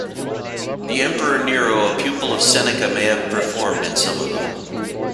The emperor Nero, a pupil of Seneca, may have performed in some of them.